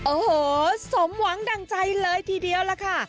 โอ้โหสมหวังดั่งใจเลยทีเดียวล่ะค่ะ